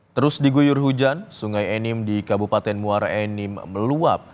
terus diguyur hujan sungai enim di kabupaten muara enim meluap